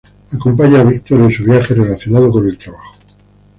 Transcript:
Acompaña a Victor en su viaje relacionado con el trabajo.